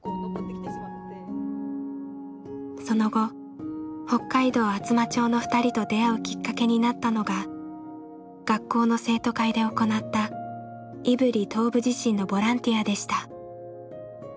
その後北海道厚真町の２人と出会うきっかけになったのが学校の生徒会で行った胆振東部地震のボランティアでした。